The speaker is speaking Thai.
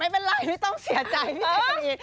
ไม่เป็นไรไม่ต้องเสียใจพี่เจ๊กรี๊ด